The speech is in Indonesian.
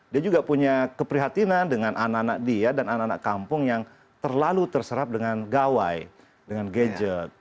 dia juga punya keprihatinan dengan anak anak dia dan anak anak kampung yang terlalu terserap dengan gawai dengan gadget